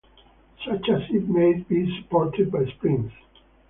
Such a seat may be supported by springs.